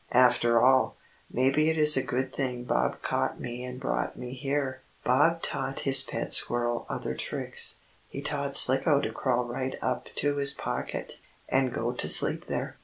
After all, maybe it is a good thing Bob caught me and brought me here." Bob taught his pet squirrel other tricks. He taught Slicko to crawl right up to his pocket, and go to sleep there.